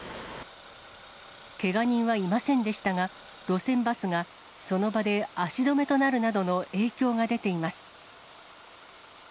けが人はいませんでしたが、路線バスがその場で足止めとなるなどの影響が出ています。